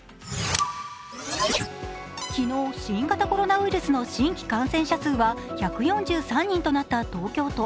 昨日、新型コロナウイルスの新規感染者数は１４３人となった東京都。